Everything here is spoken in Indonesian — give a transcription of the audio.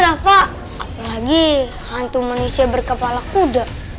rafa apalagi hantu manusia berkepala kuda